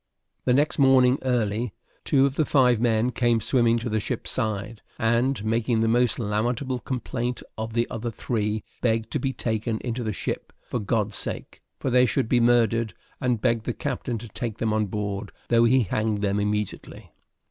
The next morning early, two of the five men came swimming to the ship's side, and, making the most lamentable complaint of the other three, begged to be taken into the ship for God's sake, for they should be murdered, and begged the captain to take them on board, though he hanged them immediately.